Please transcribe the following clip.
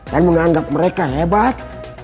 dan menganggap mereka hebat